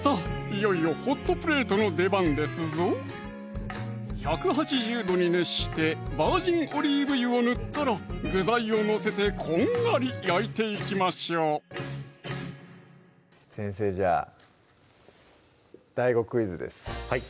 いよいよホットプレートの出番ですぞ１８０度に熱してバージンオリーブ油を塗ったら具材を載せてこんがり焼いていきましょう先生じゃあＤＡＩＧＯクイズですはい